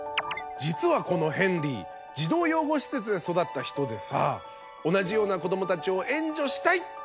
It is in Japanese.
実はこのヘンリー児童養護施設で育った人でさ同じような子どもたちを援助したいって思ったのね。